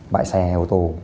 bãi xe ô tô